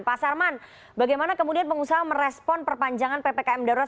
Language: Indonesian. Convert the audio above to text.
pak sarman bagaimana kemudian pengusaha merespon perpanjangan ppkm darurat